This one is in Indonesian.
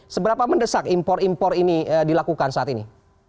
seberapa mendesak impor impor ini dilakukan saat ini